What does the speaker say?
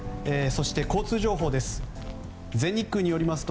そして、交通情報です。